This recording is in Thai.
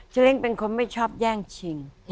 เล้งเป็นคนไม่ชอบแย่งชิง